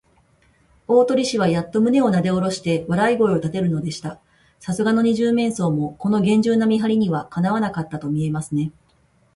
大鳥氏はやっと胸をなでおろして、笑い声をたてるのでした。さすがの二十面相も、このげんじゅうな見はりには、かなわなかったとみえますね。